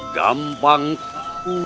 kami akan menjadi abdi setiaku